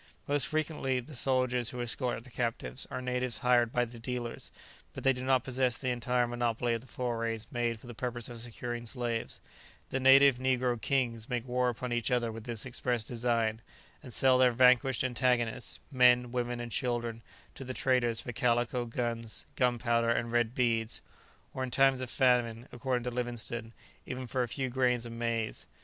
Most frequently the soldiers who escort the captives are natives hired by the dealers, but they do not possess the entire monopoly of the forays made for the purpose of securing slaves; the native negro kings make war upon each other with this express design, and sell their vanquished antagonists, men, women, and children, to the traders for calico, guns, gunpowder and red beads; or in times of famine, according to Livingstone, even for a few grains of maize.